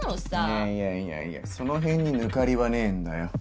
いやいやいやいやその辺にぬかりはねえんだよ。